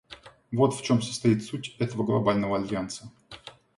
Вот в чем состоит суть этого Глобального альянса.